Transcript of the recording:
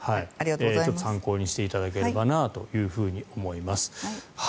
参考にしていただければなと思います。